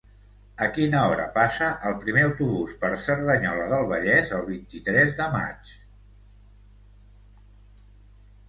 A quina hora passa el primer autobús per Cerdanyola del Vallès el vint-i-tres de maig?